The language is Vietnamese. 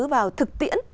vào thực tiễn